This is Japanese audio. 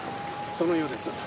そのようです。